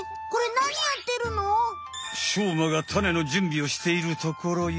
しょうまがタネのじゅんびをしているところよ。